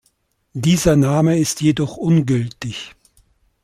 Dieser Name ist jedoch ungültig.